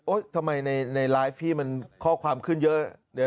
ทำไมในไลฟ์พี่มันข้อความขึ้นเยอะ